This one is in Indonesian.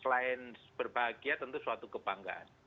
selain berbahagia tentu suatu kebanggaan